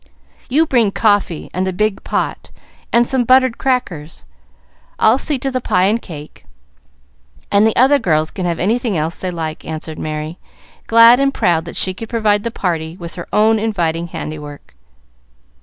"You bring coffee and the big pot and some buttered crackers. I'll see to the pie and cake, and the other girls can have anything else they like," answered Merry, glad and proud that she could provide the party with her own inviting handiwork.